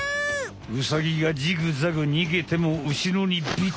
ウサギがジグザグ逃げてもうしろにビタリ！